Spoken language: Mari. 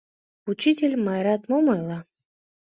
Учитель Майрат мом ойла?